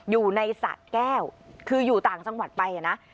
อยู่ในศาสตร์แก้วคืออยู่ต่างจังหวัดไปนะ